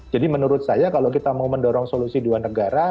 jadi menurut saya kalau kita mau mendorong solusi dua negara